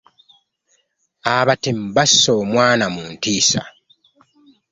Abatemu basse omwana mu ntiisa.